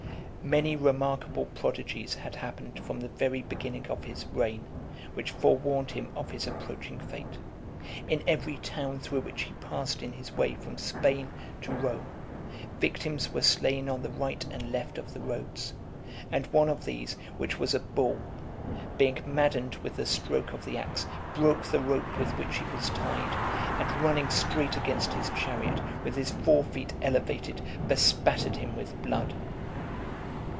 XVIII. Many remarkable prodigies had happened from the (412) very beginning of his reign, which forewarned him of his approaching fate. In every town through which he passed in his way from Spain to Rome, victims were slain on the right and left of the roads; and one of these, which was a bull, being maddened with the stroke of the axe, broke the rope with which it was tied, and running straight against his chariot, with his fore feet elevated, bespattered him with blood.